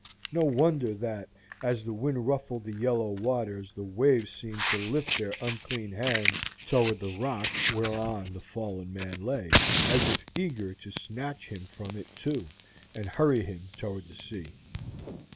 No wonder that as the wind ruffled the yellow waters the waves seemed to lift their unclean hands toward the rock whereon the fallen man lay, as if eager to snatch him from it, too, and hurry him toward the sea.